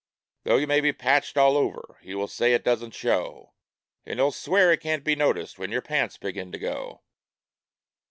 Though you may be patched all over he will say it doesn't show, And he'll swear it can't be noticed when your pants begin to go.